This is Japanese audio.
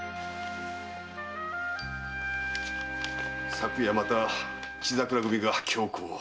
昨夜また「血桜組」が凶行を。